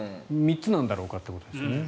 ３つなんだろうかってところですよね。